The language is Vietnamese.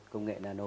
công nghệ nano